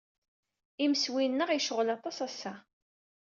Imsewwi-nneɣ yecɣel aṭas ass-a.